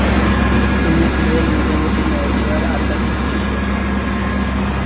তিনি ছিলেন নিজামুদ্দিন আউলিয়ার আধ্যাত্মিক শিষ্য।